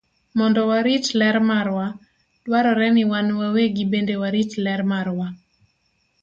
Mondo warit ler marwa, dwarore ni wan wawegi bende warit ler marwa.